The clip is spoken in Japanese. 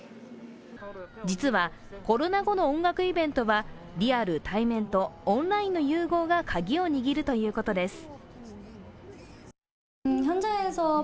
実はコロナ後の音楽イベントは、リアル＝対面とオンラインの融合がカギを握るということです。